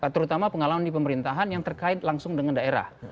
terutama pengalaman di pemerintahan yang terkait langsung dengan daerah